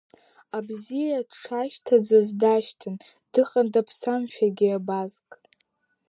Абзиа дшашьҭаӡаз дашьҭан, дыҟан даԥсамшәагьы абазк.